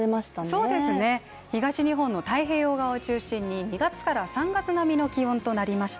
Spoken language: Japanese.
そうですね、東日本の太平洋側を中心に２月から３月並みの気温となりました。